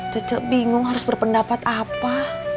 cuca bingung harus berpendapat apa